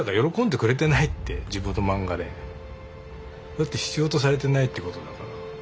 だって必要とされてないってことだから。